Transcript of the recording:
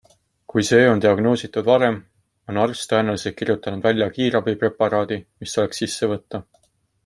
Kui see on diagnoositud varem, on arst tõenäoliselt kirjutanud välja kiirabipreparaadi, mis tuleks sisse võtta.